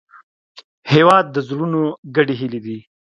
هېواد د زړونو ګډې هیلې دي.